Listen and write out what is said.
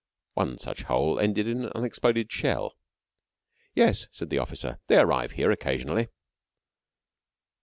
One such hole ended in an unexploded shell. "Yes," said the officer. "They arrive here occasionally."